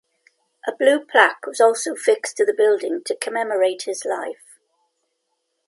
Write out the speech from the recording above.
A blue plaque was also fixed to the building to commemorate his life.